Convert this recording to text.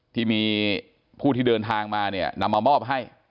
ที่มีผู้ที่เดินทางมาเนี่ยนำมามอบให้